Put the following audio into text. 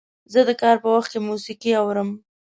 زه د کار په وخت کې موسیقي اورم.